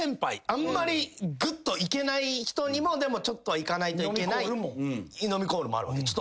あんまりぐっといけない人にもでもちょっとはいかないといけない飲みコールもあるわけ？